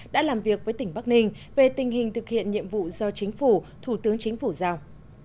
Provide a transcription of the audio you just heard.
đã làm việc với tỉnh bắc ninh về tình hình thực hiện nhiệm vụ do chính phủ thủ tướng chính phủ giao